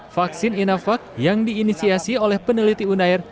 vaksin inavac yang diinisiasi oleh peneliti unair